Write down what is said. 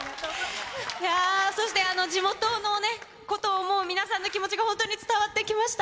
そして地元のね、ことを想う皆さんの気持ちが本当に伝わってきました。